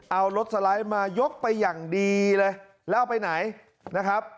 เอารถสไลด์มายกไปอย่างดีเลยแล้วเอาไปไหนนะครับ